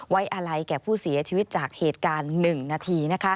ไว้อะไรแก่ผู้เสียชีวิตจากเหตุการณ์๑นาที